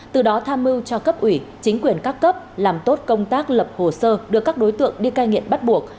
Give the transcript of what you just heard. từ đó tham mưu cho cấp ủy chính quyền các cấp làm tốt công tác lập hồ sơ đưa các đối tượng đi cai nghiện bắt buộc